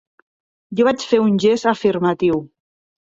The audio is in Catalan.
Jo vaig fer un gest afirmatiu.